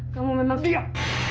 kamu memang siap